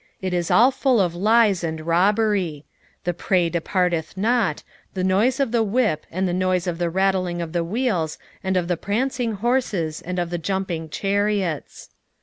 it is all full of lies and robbery; the prey departeth not; 3:2 The noise of a whip, and the noise of the rattling of the wheels, and of the pransing horses, and of the jumping chariots.